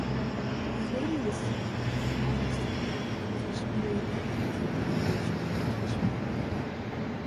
He later received honours degree in Kashmiri language from the University of Kashmir.